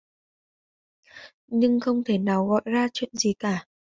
Nhưng không thể nào gọi ra chuyện gì cả